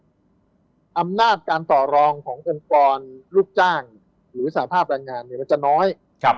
อำนาจการต่อรองขององค์กรลูกจ้างหรือสภาพแรงงานเนี่ยมันจะน้อย